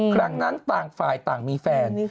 ครั้งนั้นต่างฝ่ายต่างมีแฟน